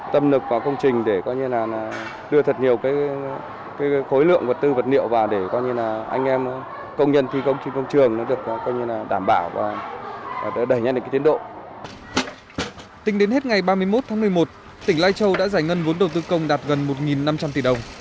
tính đến hết ngày ba mươi một tháng một mươi một tỉnh lai châu đã giải ngân vốn đầu tư công đạt gần một năm trăm linh tỷ đồng